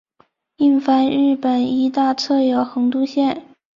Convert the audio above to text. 印幡日本医大侧有横渡线。